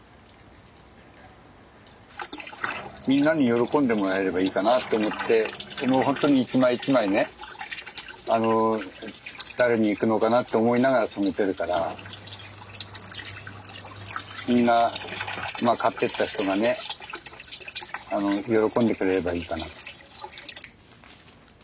みんなに喜んでもらえればいいかなって思って基本ほんとに一枚一枚ね誰に行くのかなって思いながら染めてるからみんな買ってった人がね喜んでくれればいいかなと。